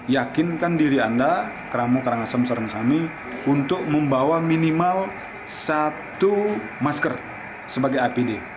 yakinkan diri anda keramu karangasem seorang kami untuk membawa minimal satu masker sebagai apd